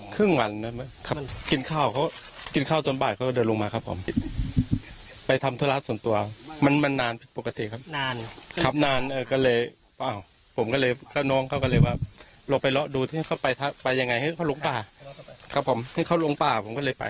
ครับนานก็เลยว่าอ้าวผมก็เลยก็น้องเขาก็เลยว่าลงไปละดูที่เขาไปยังไงให้เขาลุงป่าครับผมให้เขาลุงป่าผมก็เลยไป